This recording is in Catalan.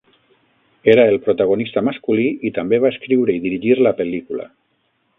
Era el protagonista masculí i també va escriure i dirigir la pel·lícula.